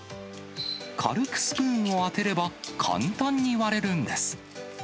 軽くスプーンを当てれば、簡単に割れるんです。